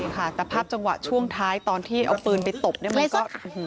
ค่ะแต่ภาพจังหวะช่วงท้ายตอนที่เอาปืนไปตบเนี่ยมันก็